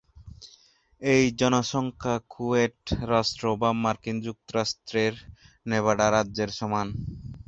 এই জনসংখ্যা কুয়েত রাষ্ট্র বা মার্কিন যুক্তরাষ্ট্রের নেভাডা রাজ্যের সমান।